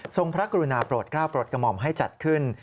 พระกรุณาโปรดกล้าโปรดกระหม่อมให้จัดขึ้น